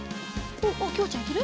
おっきほちゃんいける？